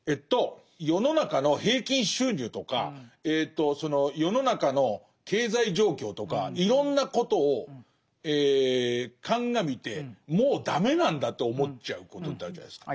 世の中の平均収入とか世の中の経済状況とかいろんなことを鑑みてもう駄目なんだと思っちゃうことってあるじゃないですか。